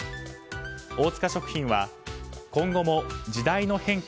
大塚食品は今後も時代の変化